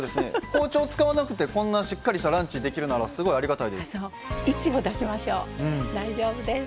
包丁、使わなくてこんなしっかりしたランチできるならすごいありがたいです。